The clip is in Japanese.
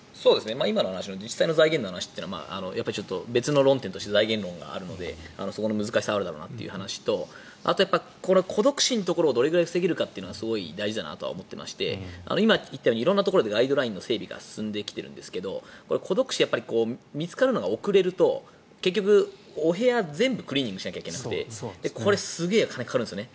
今回のことと自治体の財源のことというのはちょっと別の論点として財源論があるのでその難しさがあるだろうなという話とあとは孤独死のところがどれくらい防げるかというのが今言ったように色んなところでガイドラインの整備が進んでいるんですけど孤独死は見つかるのが遅れると結局お部屋全部クリーニングしないといけなくてこれがすごくお金がかかるんですね。